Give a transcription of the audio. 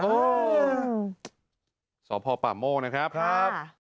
สพปโมกนะครับครับครับสพปโมกนะครับ